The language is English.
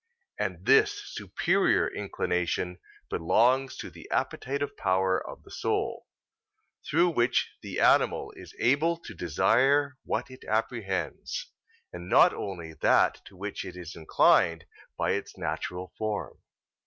And this superior inclination belongs to the appetitive power of the soul, through which the animal is able to desire what it apprehends, and not only that to which it is inclined by its natural form.